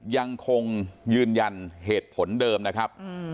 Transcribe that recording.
ยังคงยืนยันเหตุผลเดิมนะครับ